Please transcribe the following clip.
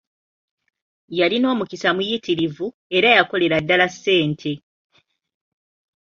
Yalina omukisa muyitirivu, era yakolera ddala ssente.